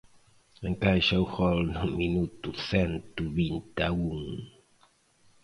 Encaixa o gol no minuto cento vinte e un.